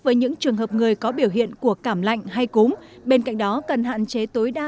với những trường hợp người có biểu hiện của cảm lạnh hay cúm bên cạnh đó cần hạn chế tối đa